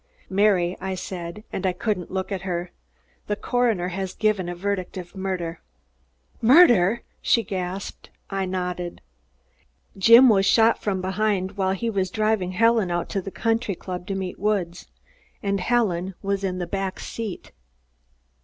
"Mary," I said, and I couldn't look at her, "the coroner has given a verdict of murder." "Murder?" Mary gasped. I nodded. "Jim was shot from behind, while he was driving Helen out to the country club to meet Woods, and Helen was in the back seat."